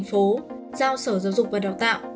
giao sở giáo dục và đào tạo